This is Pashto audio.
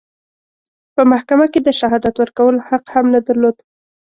په محکمه کې د شهادت ورکولو حق هم نه درلود.